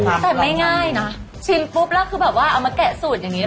แต่ไม่ง่ายนะชิมปุ๊บแล้วคือแบบว่าเอามาแกะสูตรอย่างนี้